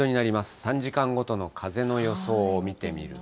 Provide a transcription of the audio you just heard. ３時間ごとの風の予想を見てみると。